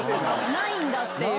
ないんだっていう。